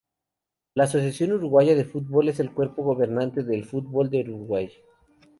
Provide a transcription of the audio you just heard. La Asociación Uruguaya de Fútbol es el cuerpo gobernante del fútbol de Uruguay.